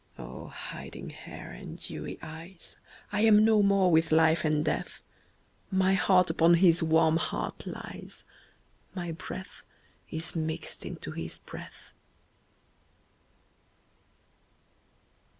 hiding hair and dewy eyes, 1 am no more with life and death, My heart upon his warm heart lies. My breath is mixed into his breath.